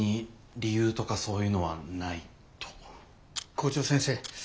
校長先生。